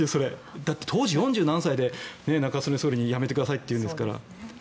だって、当時４０何歳で中曽根総理に辞めてくださいって言うんですから。